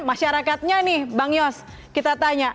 masyarakatnya nih bang yos kita tanya